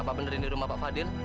pak bener ini rumah pak fadil